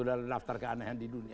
daftar keanehan di dunia